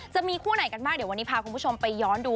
จะมีคู่ไหนกันบ้างเดี๋ยววันนี้พาคุณผู้ชมไปย้อนดู